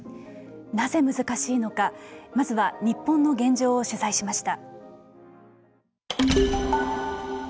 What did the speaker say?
なぜ難しいのかまずは日本の現状を取材しました。